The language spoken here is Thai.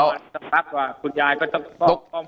พมสัมผัสว่าคุณยายก็